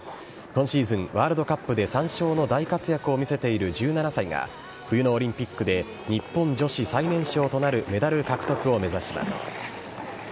今シーズン、ワールドカップで３勝の大活躍を見せている１７歳が、冬のオリンピックで日本女子最年少となるメダル獲得を目指します。